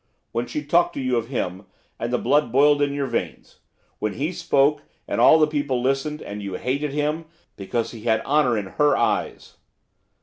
When she talked to you of him, and the blood boiled in your veins; when he spoke, and all the people listened, and you hated him, because he had honour in her eyes.